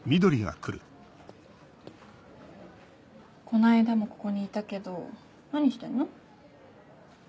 こないだもここにいたけど何してんの？